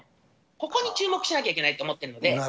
ここに注目しなきゃいけないと思っているので。